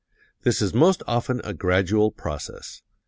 This is most often a gradual process.